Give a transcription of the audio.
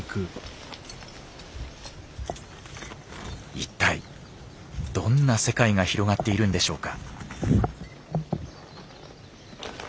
一体どんな世界が広がっているんでしょうか。